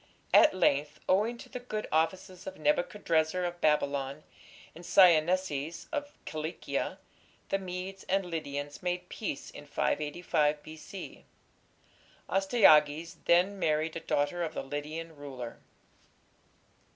At length, owing to the good offices of Nebuchadrezzar of Babylon and Syennesis of Cilicia, the Medes and Lydians made peace in 585 B.C. Astyages then married a daughter of the Lydian ruler.